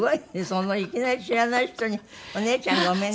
そんないきなり知らない人に「お姉ちゃんごめんね」。